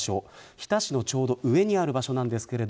日田市のちょうど上にある場所です。